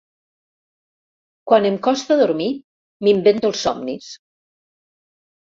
Quan em costa dormir m'invento els somnis.